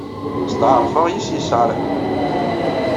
Steɛṛfeɣ yes-s yesɛa lḥeqq.